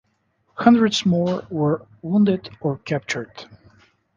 Hundreds more were wounded or captured.